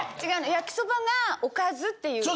焼きそばがおかずっていう意味？